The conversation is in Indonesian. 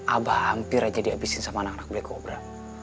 abah hampir aja dihabisin sama anak anak black cobra